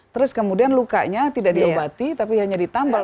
terus kemudian lukanya tidak diobati tapi hanya ditambal